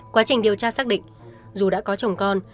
quá trình điều tra xác định dù đã có chồng con